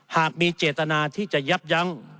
หากมีเจตนาที่จะยับยั้ง